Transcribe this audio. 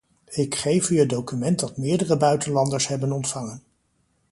Ik geef u het document dat meerdere buitenlanders hebben ontvangen.